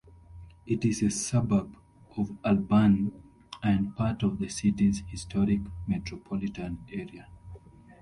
It is a suburb of Albany and part of the city's historic metropolitan area.